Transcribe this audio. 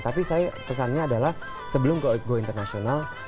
tapi saya pesannya adalah sebelum go international